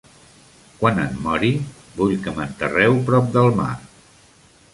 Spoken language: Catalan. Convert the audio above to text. Quan em mori, vull que m'enterreu prop del mar.